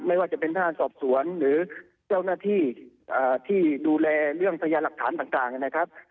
ไม่ว่าจะเป็นท่าสอบสวนหรือเจ้าหน้าที่ที่ดูแลเรื่องพยานหลักฐานต่างนะครับ